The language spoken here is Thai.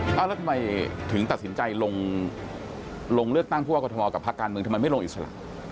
แล้วทำไมถึงตัดสินใจลงเลือกตั้งผู้ว่ากรทมกับภาคการเมืองทำไมไม่ลงอิสระ